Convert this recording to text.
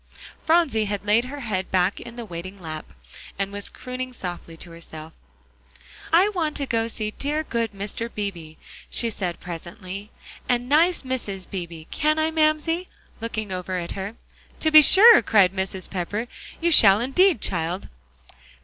Phronsie had laid her head back in the waiting lap, and was crooning softly to herself. "I want to go and see dear good Mr. Beebe," she said presently, "and nice Mrs. Beebe, can I, Mamsie?" looking over at her. "To be sure," cried Mrs. Pepper, "you shall indeed, child."